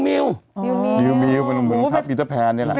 มิวคุณบริมทับเนี่ยแหละอีกแล้วหลงเท้าแม่ก็สาวทุกวันนะ